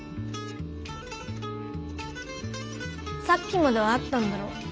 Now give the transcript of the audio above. さっきまではあったんだろう？